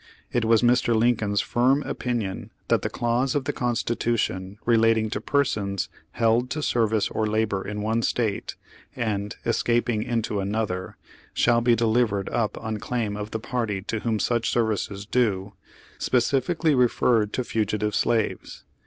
It was Mr. Lin coln's firm opinion that the clause of the Consti tution relating to persons "held to service or labor in one State," and "escaping into another," "shall be delivered up on claim of the party to whom such service is due," specifically referred to fugi tive slaves.